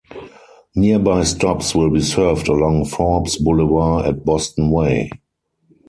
Nearby stops will be served along Forbes Boulevard at Boston Way.